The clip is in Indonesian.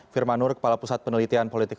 firmanur kepala pusat penelitian politik